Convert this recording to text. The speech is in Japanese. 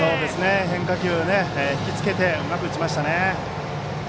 変化球を引き付けてうまく打ちましたね。